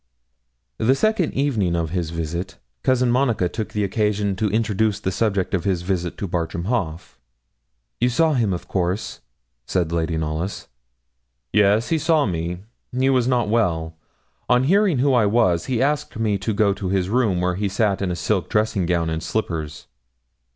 The second evening of his visit, Cousin Monica took occasion to introduce the subject of his visit to Bartram Haugh. 'You saw him, of course?' said Lady Knollys. 'Yes, he saw me; he was not well. On hearing who I was, he asked me to go to his room, where he sat in a silk dressing gown and slippers.'